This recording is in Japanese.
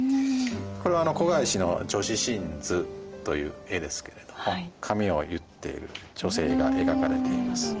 これは顧之の「女史箴図」という絵ですけれども髪を結っている女性が描かれています。